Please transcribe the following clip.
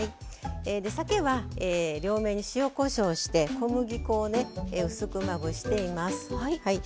さけは両面に塩・こしょうして小麦粉を薄くまぶしています。